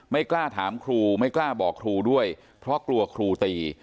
ไม่กล้าถามครูไม่กล้าบอกครูด้วยเพราะกลัวครูตี